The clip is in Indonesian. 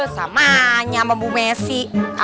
samanya sama bu messi